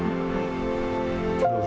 どうぞ。